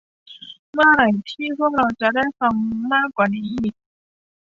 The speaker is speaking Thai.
เมื่อไหร่ที่พวกเราจะได้ฟังมากกว่านี้อีก